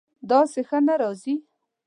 داسې ښه نه راځي